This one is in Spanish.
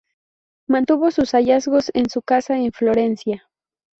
Mantuvo sus hallazgos en su casa en Florencia.